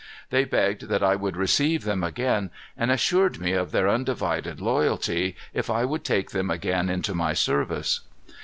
They begged that I would receive them again and assured me of their undivided loyalty, if I would take them again into my service.